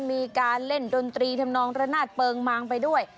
มีการเล่นดนตรีทำนองระนาดเปิงมางไปด้วย